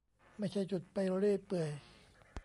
ไม่ใช่จุดไปเรื่อยเปื่อย